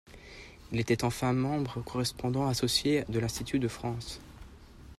Il était enfin membre correspondant associé de l’Institut de France.